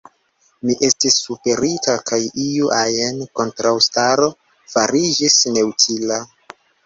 Mi estis superita, kaj iu ajn kontraŭstaro fariĝis neutila.